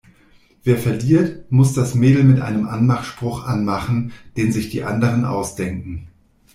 Wer verliert, muss das Mädel mit einem Anmachspruch anmachen, den sich die anderen ausdenken.